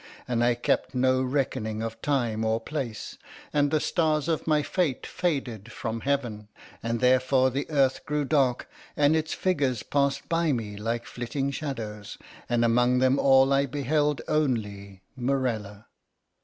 And I kept no reckoning of time or place, and the stars of my fate faded from heaven, and therefore the earth grew dark, and its figures passed by me like flitting shadows, and among them all I beheld only—Morella.